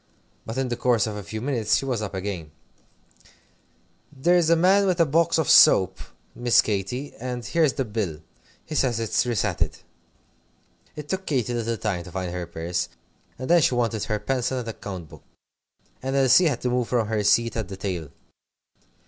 But in the course of a few minutes she was up again. "There's a man come with a box of soap, Miss Katy, and here's the bill. He says it's resated." It took Katy a little time to find her purse, and then she wanted her pencil and account book, and Elsie had to move from her seat at the table.